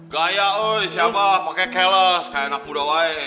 gaya si abah pakai keles kayak anak muda woy